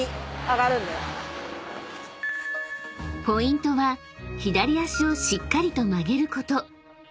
［ポイントは左脚をしっかりと曲げること］